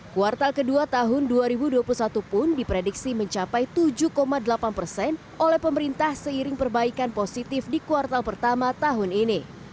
kuartal kedua tahun dua ribu dua puluh satu pun diprediksi mencapai tujuh delapan persen oleh pemerintah seiring perbaikan positif di kuartal pertama tahun ini